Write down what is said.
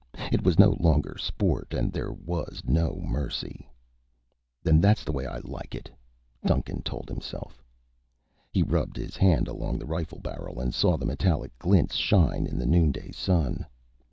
It was no longer sport and there was no mercy. "And that's the way I like it," Duncan told himself. He rubbed his hand along the rifle barrel and saw the metallic glints shine in the noonday sun.